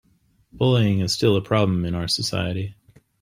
Bullying is still a problem in our society.